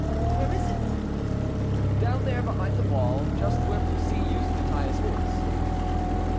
"Where is it?" "Down there behind the wall; just where Bussy used to tie his horse."